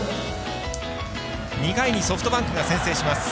２回にソフトバンクが先制します。